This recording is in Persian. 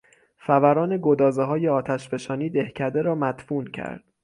فوران گدازههای آتشفشانی دهکده را مدفون کرد.